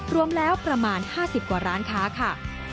รวมแล้วประมาณ๕๐กว่าร้านค้าค่ะ